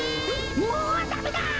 もうダメだ！